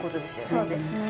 そうですね。